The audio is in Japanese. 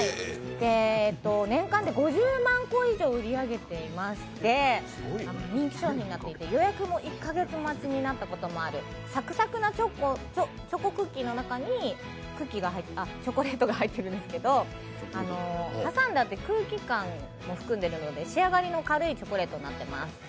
年間で５０万個以上売り上げていまして人気商品になってまして予約も１か月待つになったこともあるサクサクなチョコクッキーの中にチョコレートが入ってるんですけど挟んであって空気感を含んでいるので仕上がりの軽いチョコレートになってます。